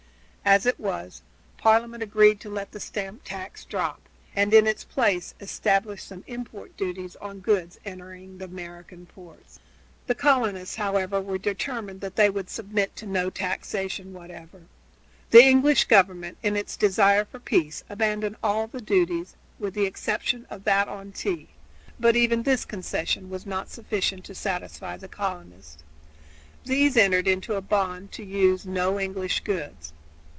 As it was, Parliament agreed to let the stamp tax drop, and in its place established some import duties on goods entering the American ports. The colonists, however, were determined that they would submit to no taxation whatever. The English government, in its desire for peace, abandoned all the duties with the exception of that on tea; but even this concession was not sufficient to satisfy the colonists. These entered into a bond to use no English goods.